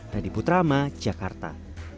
dari putrama jakarta